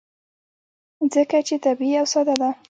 ځکه چې طبیعي او ساده ده.